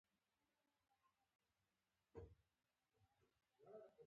په جګړه کې یوازې ځوانان وژل کېږي